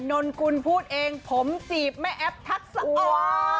นนกุลพูดเองผมจีบแม่แอปทักษะอ่อน